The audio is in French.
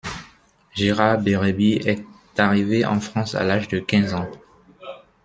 Gérard Berréby est arrivé en France à l'âge de quinze ans.